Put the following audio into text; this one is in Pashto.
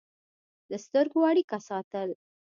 د سترګو اړیکه ساتل